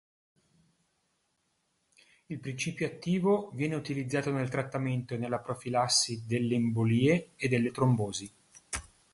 Il principio attivo viene utilizzato nel trattamento e nella profilassi dell'embolie e delle trombosi.